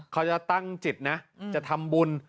เขาจะตั้งจิตนะจะทำบุญ